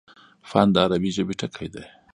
فن: د عربي ژبي ټکی دﺉ.